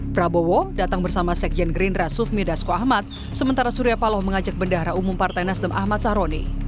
prabowo datang bersama sekjen gerindra sufmi dasko ahmad sementara surya paloh mengajak bendahara umum partai nasdem ahmad saroni